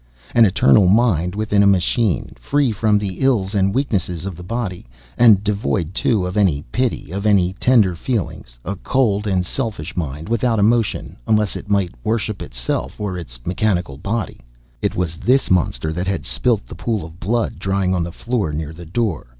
An eternal mind, within a machine! Free from the ills and weaknesses of the body. And devoid, too, of any pity, of any tender feelings. A cold and selfish mind, without emotion unless it might worship itself or its mechanical body. It was this monster that had spilt the pool of blood drying on the floor, near the door.